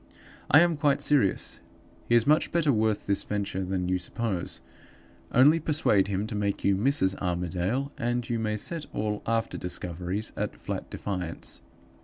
"I am quite serious. He is much better worth the venture than you suppose. Only persuade him to make you Mrs. Armadale, and you may set all after discoveries at flat defiance.